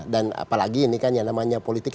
dan apalagi ini kan yang namanya politik